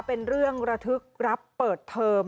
เป็นเรื่องระทึกรับเปิดเทอม